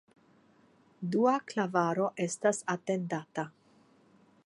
Dua klavaro estas atendata.